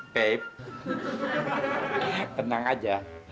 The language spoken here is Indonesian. babe tenang aja